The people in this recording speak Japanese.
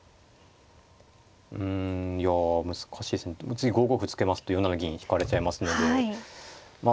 次５五歩突きますと４七銀引かれちゃいますのでまあ